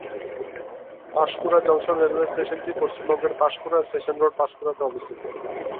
Panskura junction railway স্টেশনটি পশ্চিমবঙ্গের Panskura station road, Panskura তে অবস্থিত।